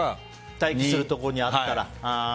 待機するところにあったら？